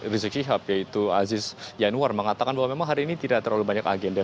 rizik syihab yaitu aziz yanuar mengatakan bahwa memang hari ini tidak terlalu banyak agenda